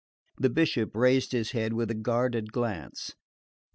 The Bishop raised his head with a guarded glance.